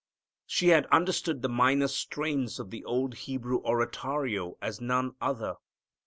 She had understood the minor strains of the old Hebrew oratorio as none other.